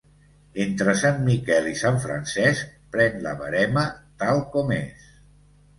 Entre Sant Miquel i Sant Francesc pren la verema tal com és.